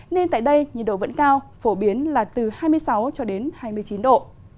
nên tại đây nhiệt độ vẫn cao phổ biến là từ hai mươi sáu hai mươi chín độ